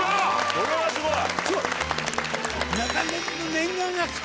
これはすごい！